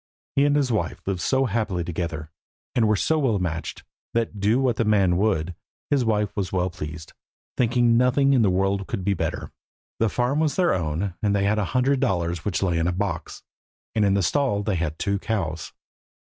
He and his wife lived so happily together, and were so well matched, that do what the man would his wife was well pleased, thinking nothing in the world could be better. Whatever he did she was satisfied. The farm was their own, and they had a hundred dollars which lay in a box, and in the stall they had two cows.